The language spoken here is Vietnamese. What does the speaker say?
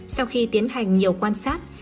sau khi tiến hành nhiều quan sát